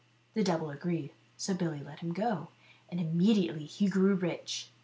The devil agreed, so Billy let him go ; and imme diately he grew rich.